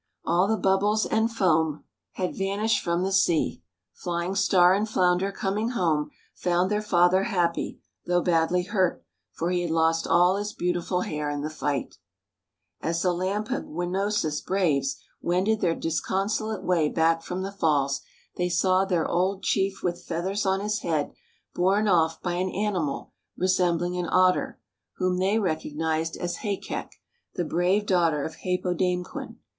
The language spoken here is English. All the bubbles and foam had vanished from the sea. Flying Star and Flounder, coming home, found their father happy, though badly hurt, for he had lost all his beautiful hair in the fight. As the Lampegwinosis braves wended their disconsolate way back from the falls, they saw their old Chief with feathers on his head borne off by an animal resembling an otter, whom they recognized as Hākeq', the brave daughter of Hāpōdāmquen.